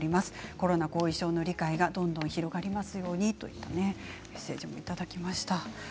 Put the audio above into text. コロナ後遺症の理解がどんどん広がりますようにというメッセージをいただきました。